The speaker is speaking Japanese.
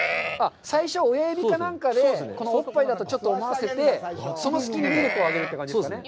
最初親指か何かで、おっぱいだとちょっと思わせて、その隙にミルクをあげるという感じですね。